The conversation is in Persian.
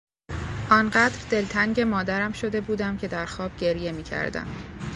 آنقدر دلتنگ مادرم شده بودم که در خواب گریه میکردم.